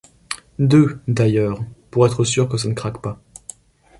Deux, d’ailleurs, pour être sûr que ça ne craque pas.